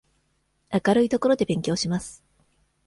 明るい所で勉強します。